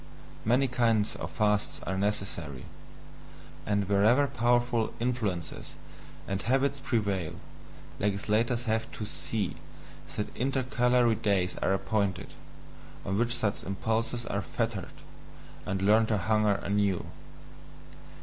Many kinds of fasts are necessary; and wherever powerful influences and habits prevail, legislators have to see that intercalary days are appointed, on which such impulses are fettered, and learn to hunger anew.